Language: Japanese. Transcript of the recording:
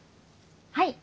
はい。